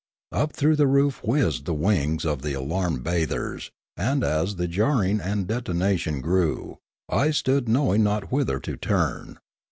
Up through the roof whizzed the wings of the alarmed bathers, and as the jarring and detonation grew, I stood knowing not whither to turn.